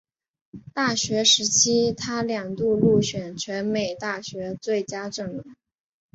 大学时期他两度入选全美大学最佳阵容。